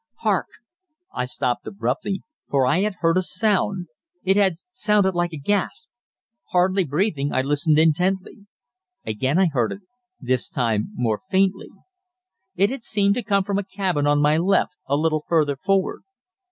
Hark! I stopped abruptly, for I had heard a sound it had sounded like a gasp. Hardly breathing, I listened intently. Again I heard it this time more faintly. It had seemed to come from a cabin on my left, a little further forward.